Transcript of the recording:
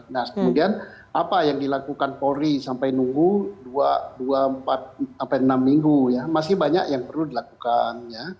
nah kemudian apa yang dilakukan polri sampai nunggu dua empat sampai enam minggu ya masih banyak yang perlu dilakukan